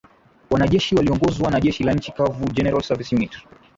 Wanajeshi waliongozwa na Jeshi la Nchi Kavu General Service Unit